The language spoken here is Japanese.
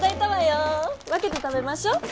分けて食べましょ。